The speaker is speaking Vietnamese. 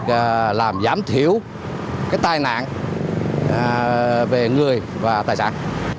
và làm giảm thiểu cái tai nạn về người và tài sản